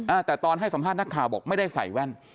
อ่าแต่ตอนให้สัมภาษณ์นักข่าวบอกไม่ได้ใส่แว่น